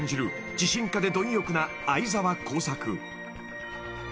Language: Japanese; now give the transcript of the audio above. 自信家で貪欲な藍沢耕作］